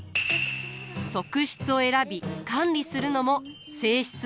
側室を選び管理するのも正室の役目。